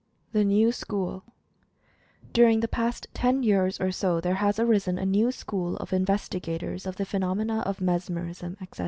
THE NEW SCHOOL. During the past ten years or so there has arisen a new school of investigators of the phenomena of "Mesmerism," etc.